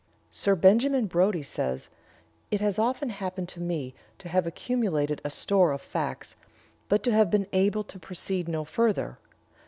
Sir Benjamin Brodie says: "It has often happened to me to have accumulated a store of facts, but to have been able to proceed no further.